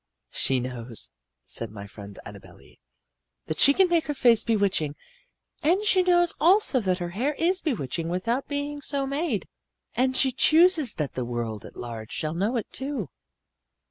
"She knows," said my friend Annabel Lee, "that she can make her face bewitching and she knows also that her hair is bewitching without being so made. And she chooses that the world at large shall know it, too."